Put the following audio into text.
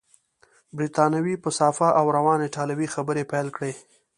بریتانوي په صافه او روانه ایټالوې خبرې پیل کړې.